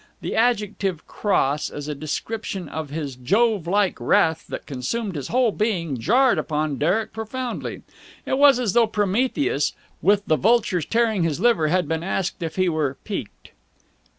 The adjective "cross" as a description of his Jove like wrath that consumed his whole being jarred upon Derek profoundly. It was as though Prometheus, with the vultures tearing his liver, had been asked if he were piqued.